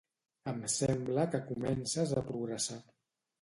Em sembla que comences a progressar.